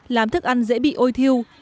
làm thức ăn dễ bị ôi thiêu